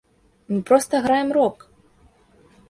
Мы проста граем рок!